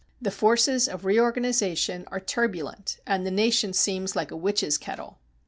The forces of reorganization are turbulent and the nation seems like a witches' kettle.